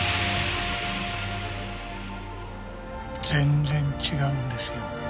全然違うんですよ。